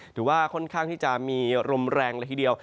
ถือว่าค่อนข้างที่จะมีลมแรงเลยทีเดียว